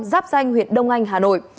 giáp danh huyện đông anh hà nội